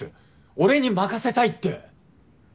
俺に任せたいって。